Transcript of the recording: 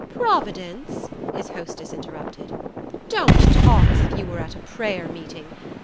"Providence?" his hostess interrupted. "Don't talk as if you were at a prayer meeting!